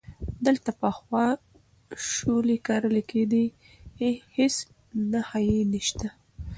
دلته پخوا شولې کرلې کېدې، هیڅ نښه یې نشته،